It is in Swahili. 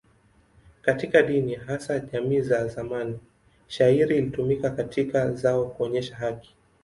Katika dini, hasa jamii za zamani, shayiri ilitumika kama zao kuonyesha haki.